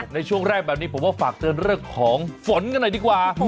ในช่วงแรกแบบนี้ผมว่าฝากเตือนเรื่องของฝนกันหน่อยดีกว่า